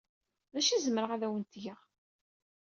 D acu ay zemreɣ ad awen-t-geɣ?